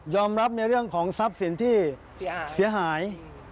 รับในเรื่องของทรัพย์สินที่เสียหาย